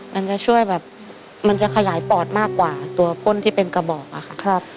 มันจะช่วยแบบมันจะขยายปอดมากกว่าตัวพ่นที่เป็นกระบอกอะค่ะ